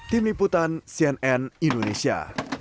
tim liputan cnn indonesia